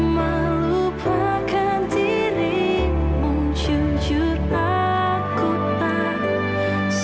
mungkin bila saat ini aku harus